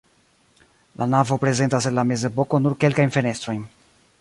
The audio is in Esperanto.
La navo prezentas el la mezepoko nur kelkajn fenestrojn.